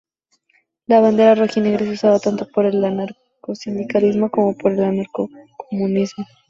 La bandera rojinegra es usada tanto por el anarcosindicalismo como por el anarcocomunismo.